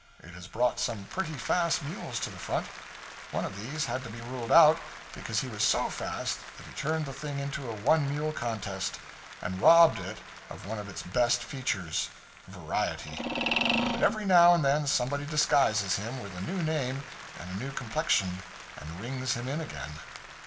It has brought some pretty fast mules to the front. One of these had to be ruled out, because he was so fast that he turned the thing into a one mule contest, and robbed it of one of its best features variety. But every now and then somebody disguises him with a new name and a new complexion, and rings him in again.